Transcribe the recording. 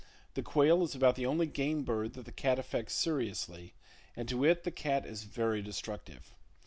The quail is about the only game bird that the cat affects seriously, and to it the cat is very destructive.